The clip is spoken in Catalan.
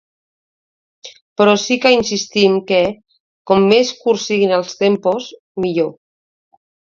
Però sí que insistim que, com més curts siguin els tempos, millor.